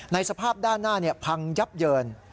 ในสภาพด้านหน้าเนี่ยพังยับเยิน